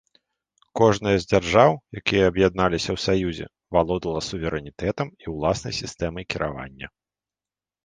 Кожнае з дзяржаў, якія аб'ядналіся ў саюзе, валодала суверэнітэтам і ўласнай сістэмай кіравання.